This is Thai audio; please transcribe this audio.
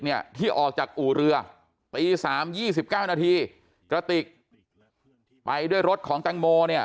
เนี่ยที่ออกจากอู่เรือตีสาม๒๙นาทีและติเคยไปด้วยรถของจัง